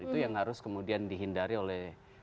itu yang harus kemudian dihindari oleh